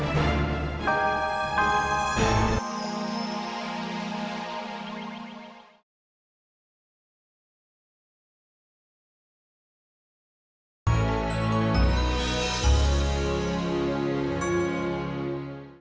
ada itu juga paul juga